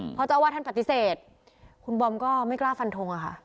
เพราะเจ้าอาวาสท่านปฏิเสธคุณบอมก็ไม่กล้าฟันทงอะค่ะ